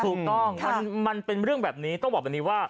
ถูกต้องมันเป็นเรื่องแบบนี้ต้องบอกแบบนี้ว่า